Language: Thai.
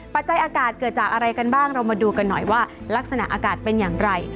ปัจจัยอากาศเกิดจากอะไรกันบ้างเรามาดูกันหน่อยว่าลักษณะอากาศเป็นอย่างไร